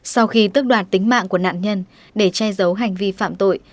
sau khi tước đoạt tính mạng của nạn nhân để che giấu hành vi phạm tội